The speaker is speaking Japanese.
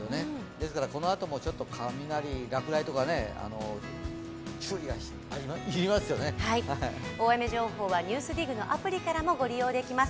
ですからこのあとも雷、落雷とか大雨情報は「ＮＥＷＳＤＩＧ」のアプリでも利用できます。